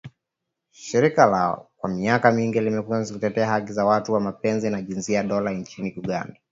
Shirika la kwa miaka mingi limekuwa likitetea haki za watu wa mapenzi ya jinsia moja nchini Uganda